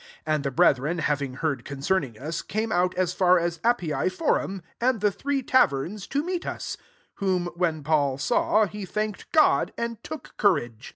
15 And the brethren hav ing heard concerning us, came out as far as Appii forum,* and the Three taverns,* to meet us : whom when Paul saw, he thanked God, and took courage.